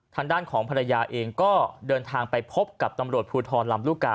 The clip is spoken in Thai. ทางด้านของภรรยาเองก็เดินทางไปพบกับตำรวจภูทรลำลูกกา